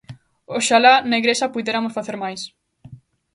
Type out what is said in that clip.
Oxalá na Igrexa puideramos facer máis.